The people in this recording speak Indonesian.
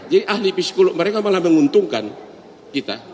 jadi ahli psikolog mereka malah menguntungkan kita